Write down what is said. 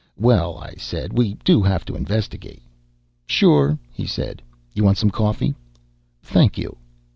"Well," I said, "we do have to investigate." "Sure," he said. "You want some coffee?" "Thank you."